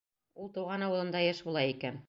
Ул тыуған ауылында йыш була икән.